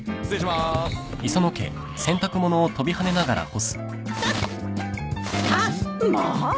まあ。